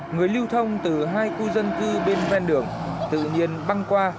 người lưu thông từ hai khu dân cư bên ven đường tự nhiên băng qua